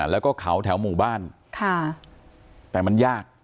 แล้วก็เขาแถวหมู่บ้านแต่มันยาก